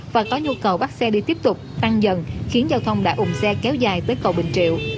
và có nhu cầu bắt xe đi tiếp tục tăng dần khiến giao thông đã ủng xe kéo dài tới cầu bình triệu